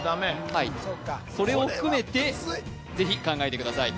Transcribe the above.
はいそれを含めてぜひ考えてください